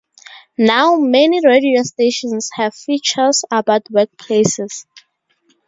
Now, many radio stations have features about workplaces.